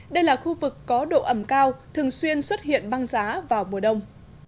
đây là khu vực có độ ẩm cao thường xuyên xuất hiện băng giá vào mùa đông